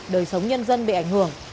đời sống nhân dân bị ảnh hưởng